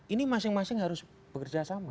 ini masing masing harus bekerja sama